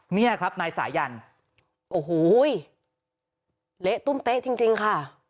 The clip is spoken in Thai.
เนี่ยครับนายสายันโอ้โหเละตุ้มเป๊ะจริงค่ะ